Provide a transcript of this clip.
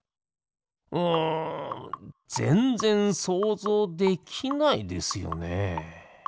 うんぜんぜんそうぞうできないですよね。